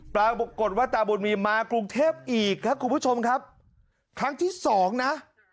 ปรากฏว่าตาบุญมีมากรุงเทพอีกครับคุณผู้ชมครับครั้งที่สองนะ